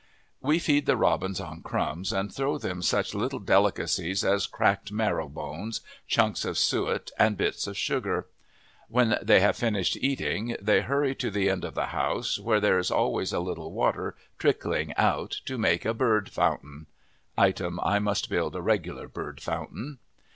We feed the robins on crumbs, and throw them such little delicacies as cracked marrow bones, chunks of suet and bits of sugar. When they have finished eating they hurry to the end of the house, where there is always a little water trickling out to make a bird fountain. (Item: I must build a regular bird fountain.)